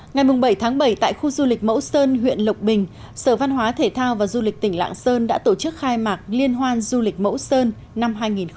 ngày bảy bảy tại khu du lịch mẫu sơn huyện lộc bình sở văn hóa thể thao và du lịch tỉnh lạng sơn đã tổ chức khai mạc liên hoan du lịch mẫu sơn năm hai nghìn một mươi chín